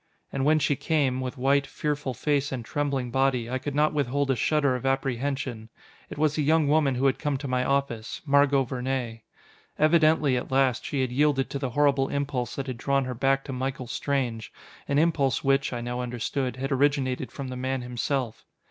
And when she came, with white, fearful face and trembling body, I could not withhold a shudder of apprehension. It was the young woman who had come to my office Margot Vernee. Evidently, at last, she had yielded to the horrible impulse that had drawn her back to Michael Strange, an impulse which, I now understood, had originated from the man himself.